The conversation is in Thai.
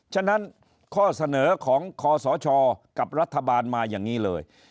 ฉะนั้นข้อเสนอของคอสชกับรัฐบาลมาอย่างนี้เลย